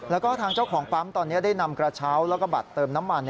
แล้วก็ทางเจ้าของปั๊มตอนนี้ได้นำกระเช้าแล้วก็บัตรเติมน้ำมัน